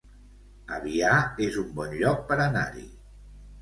Avià es un bon lloc per anar-hi